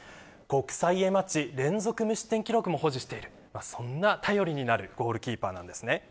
国際Ａマッチ連続無失点記録も保持しているそんな頼りになるゴールキーパーです。